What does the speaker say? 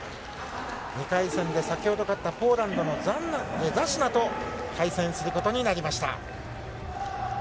先ほど勝ったポーランドのザシナ選手と対戦することになりました。